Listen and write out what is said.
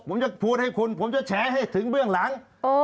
ผมจะพูดให้คุณผมจะแฉให้ถึงเบื้องหลัง